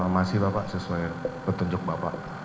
masih bapak sesuai petunjuk bapak